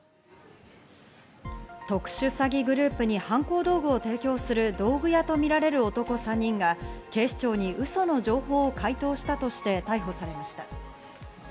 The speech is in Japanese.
特殊詐欺グループに犯行道具を提供する道具屋とみられる男３人が警視庁にウソの情報を回答したとして逮捕されました。